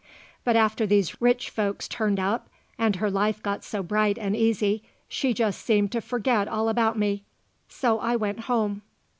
But after these rich folks turned up and her life got so bright and easy she just seemed to forget all about me. So I went home.